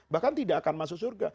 bahkan tidak akan masuk surga